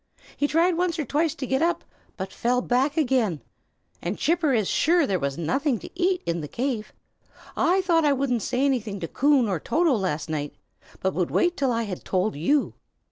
He tried once or twice to get up, but fell back again; and Chipper is sure there was nothing to eat in the cave. I thought I wouldn't say anything to Coon or Toto last night, but would wait till I had told you."